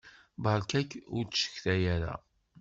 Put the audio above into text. Beṛka ur ttcetkay ara!